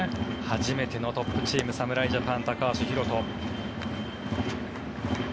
初めてのトップチーム侍ジャパン、高橋宏斗。